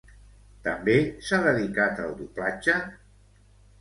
També s'ha dedicat al doblatge?